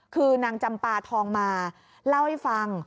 คือนางจำปาทองมาเล่าให้ฟัง